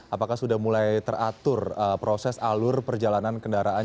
apakah sudah mulai teratur proses alur perjalanan kendaraan